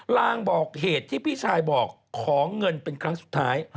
ลางบอกเหตุที่พี่ชายบอกขอเงินเป็นครั้งสุดท้าย